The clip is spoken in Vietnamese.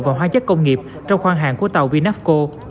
và hoa chất công nghiệp trong khoang hàng của tàu vinavco